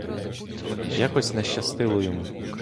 Якось не щастило йому.